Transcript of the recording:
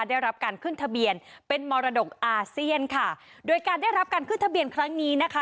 ได้รับการขึ้นทะเบียนเป็นมรดกอาเซียนค่ะโดยการได้รับการขึ้นทะเบียนครั้งนี้นะคะ